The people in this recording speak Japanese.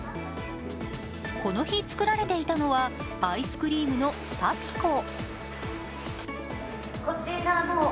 この日、作られていたのはアイスクリームのパピコ。